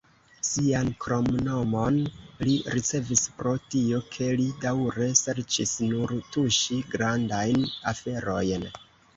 Sian kromnomon li ricevis pro tio, ke li daŭre serĉis nur tuŝi "grandajn aferojn".